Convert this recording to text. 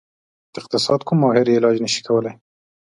د اقتصاد کوم ماهر یې علاج نشي کولی.